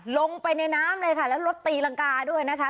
ลงไปในน้ำเลยค่ะแล้วรถตีรังกาด้วยนะคะ